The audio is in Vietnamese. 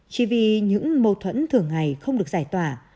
chỉ vì những mâu thuẫn thường ngày không được giải tỏa